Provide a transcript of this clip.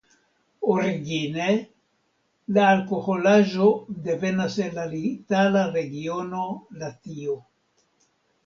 Origine la alkoholaĵo devenas de la italia regiono Latio.